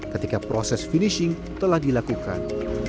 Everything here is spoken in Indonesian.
ketika proses finishing telah dilakukan